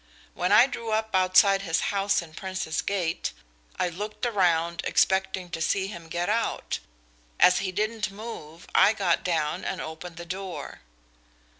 When I drew up outside his house in Princes Gate, I looked around expecting to see him get out. As he didn't move I got down and opened the door.